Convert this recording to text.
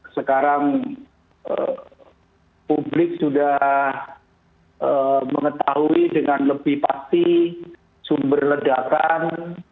sekarang publik sudah mengetahui dengan lebih pasti sumber ledakan